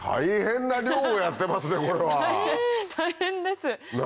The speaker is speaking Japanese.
大変です。